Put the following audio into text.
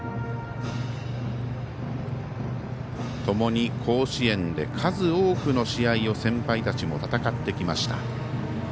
ともに甲子園で数多くの試合を先輩たちも戦ってきました。